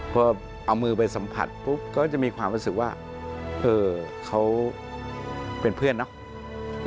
พอเอามือไปสัมผัสก็จะมีความลูกมือถูกว่า